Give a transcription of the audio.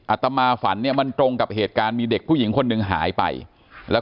อตมาฝันเนี่ยมันตรงกับเหตุการณ์มีเด็กผู้หญิงคนหนึ่งหายไปแล้ว